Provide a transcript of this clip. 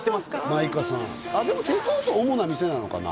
舞香さんでもテイクアウトが主な店なのかな？